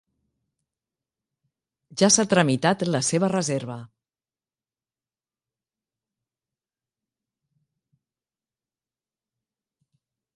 Ja s'ha tramitat la seva reserva.